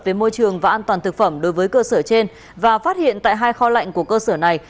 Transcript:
về môi trường và an toàn thực phẩm đối với cơ sở trên và phát hiện tại hai kho lạnh của cơ sở này